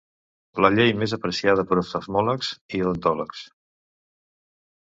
La llei més apreciada per oftalmòlegs i odontòlegs.